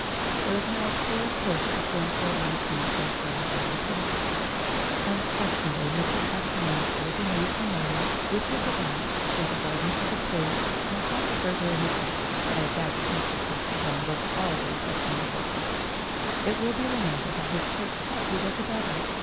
There was now a clear course before an ordinary commonplace, law abiding citizen. Unquestionably Mr. Paxton Bland should have removed the ladder, whistled the dog, sent a gardener for the police, and caught the burglar in a trap. But I doubt if Mr. Paxton Bland was all these estimable things. It will be remembered that his clerks said he was a devil.